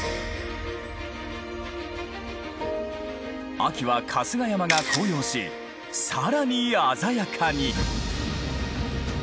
秋は春日山が紅葉し更に鮮やかに。